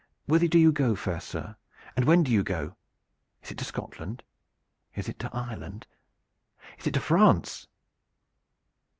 Whither do you go, fair sir? And when do you go? Is it to Scotland? Is it to Ireland? Is it to France?